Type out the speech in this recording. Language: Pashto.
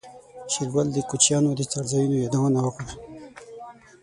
شېرګل د کوچيانو د څړځايونو يادونه وکړه.